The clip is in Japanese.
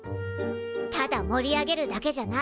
ただ盛り上げるだけじゃない。